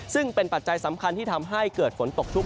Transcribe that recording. ซึ่งเป็นปัจจัยสำคัญที่ทำให้เกิดฝนตกชุก